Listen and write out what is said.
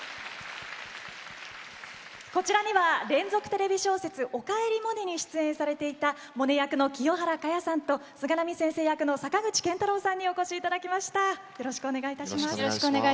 こちらには連続テレビ小説「おかえりモネ」に出演されていたモネ役の清原果耶さんと菅波先生役の坂口健太郎さんにお越しいただきました。